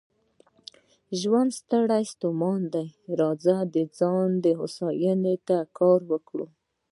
ژوند ستړی ستومانه دی، راځئ د ځان هوساینې ته کار وکړو.